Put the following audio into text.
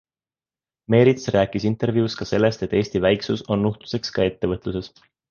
Meerits rääkis intervjuus ka sellest, et Eesti väiksus on nuhtluseks ka ettevõtluses.